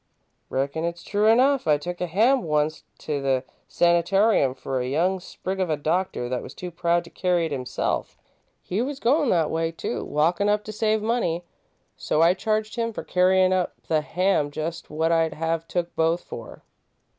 '" "Reckon it's true enough. I took a ham wunst up to the sanitarium for a young sprig of a doctor that was too proud to carry it himself. He was goin' that way, too walkin' up to save money so I charged him for carryin' up the ham just what I'd have took both for.